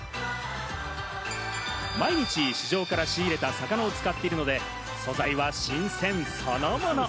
毎日市場から仕入れた魚を使っているので、素材は新鮮そのもの。